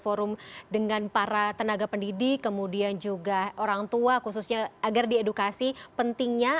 forum dengan para tenaga pendidik kemudian juga orang tua khususnya agar diedukasi pentingnya